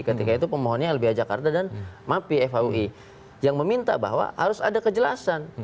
ketika itu pemohonnya lbh jakarta dan mapi faui yang meminta bahwa harus ada kejelasan